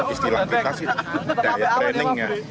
istilah kita sih diet training ya